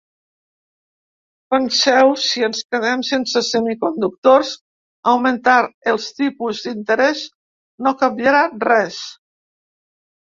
Penseu: si ens quedem sense semiconductors, augmentar els tipus d’interès no canviarà res.